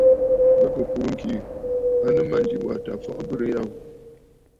Bɨ kɨ kùrə̂ ŋ̀kì a nɨ mânjì was tǎ fɔʼɔ abərə ya ghu.